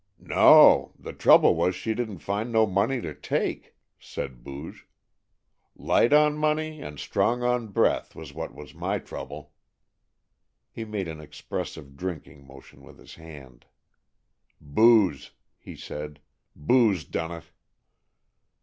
"No, the trouble was she didn't find no money to take," said Booge. "Light on money and strong on breath was what was my trouble." He made an expressive drinking motion with his hand. "Booze," he said. "Booze done it."